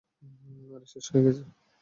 আরে, শেষ হয়ে গেছে।